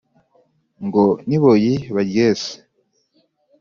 ngo n’iboyi baryese